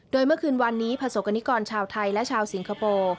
โดยเมื่อคืนวันนี้ประสบกรณิกรชาวไทยและชาวสิงคโปร์